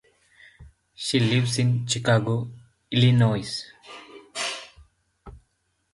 She lives in Chicago, Illinois.